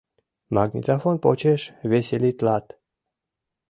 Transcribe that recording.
Магнитофон почеш веселитлат».